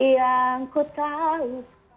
yang ku tahu